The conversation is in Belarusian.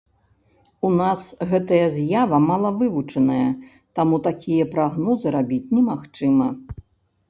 У нас гэтая з'ява малавывучаная, таму такія прагнозы рабіць немагчыма.